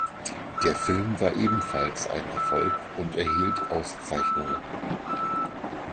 Der Film war ebenfalls ein Erfolg und erhielt Auszeichnungen.